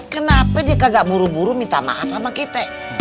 kenapa dia kagak buru buru minta maaf sama kita